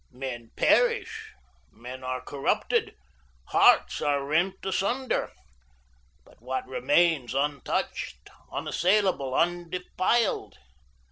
Men perish, men are corrupted, hearts are rent asunder, but what remains untouched, unassailable, undefiled?